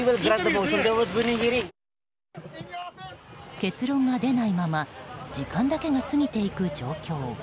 結論が出ないまま時間だけが過ぎていく状況。